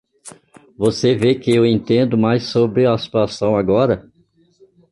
Você vê que eu entendo mais sobre a situação agora?